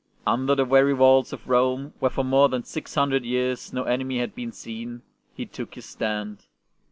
Under the very walls of Rome, where for more than six hundred years no enemy had been seen, he took his stand.